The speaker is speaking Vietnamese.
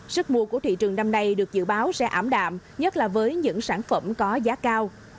sức mua của thị trường năm nay được dự báo sẽ ảm đạm nhất là với những sản phẩm có giá cao